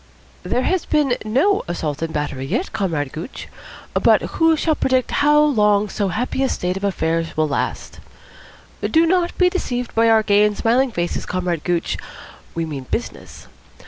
"There has been no assault and battery yet, Comrade Gooch, but who shall predict how long so happy a state of things will last? Do not be deceived by our gay and smiling faces, Comrade Gooch. We mean business.